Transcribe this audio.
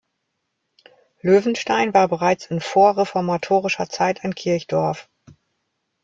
Löwenstein war bereits in vorreformatorischer Zeit ein Kirchdorf.